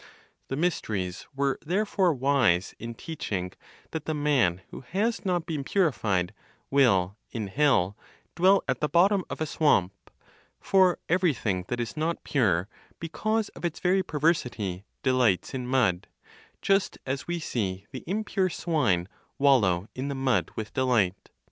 The mysteries were therefore wise in teaching that the man who has not been purified will, in hell, dwell at the bottom of a swamp; for everything that is not pure, because of its very perversity, delights in mud, just as we see the impure swine wallow in the mud with delight.